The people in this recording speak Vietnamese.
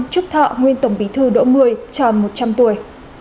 trúc thọ nguyên tổng bí thư đỗ mười tròn một trăm linh tuổi